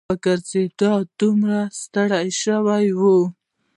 په ګرځېدو دومره ستړي شوي وو.